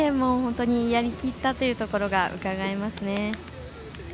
やりきったというところがうかがえますね。